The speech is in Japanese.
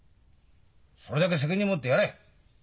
それだけ責任持ってやれ！